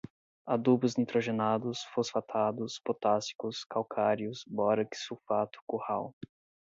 adubos nitrogenados, fosfatados, potássicos, calcários, bórax, sulfato, curral